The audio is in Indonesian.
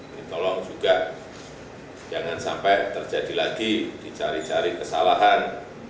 ini tolong juga jangan sampai terjadi lagi dicari cari kesalahan